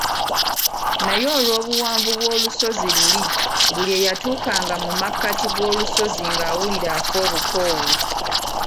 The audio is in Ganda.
Naye olw'obuwanvu bw’olusozi luli buli eyatuukanga mu makkati g'olusozi ng'awulira afa obukoowu.